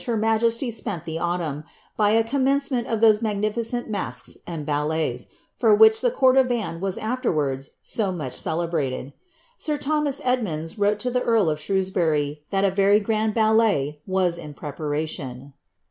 fr majesty spent llie autumn, by a coinmeneement of iho ^e iiiainii"cir,i masques and ballcls, for which the court of Anne ivas aficr«arii!! *> much cclcbiaied. Sir Thnnias Edmonds wrote lo the earl of Slireiiv bury, that a ver}' grand ballet was in preparation.